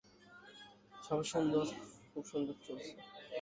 সবই সুন্দর, খুব সুন্দর চলছে।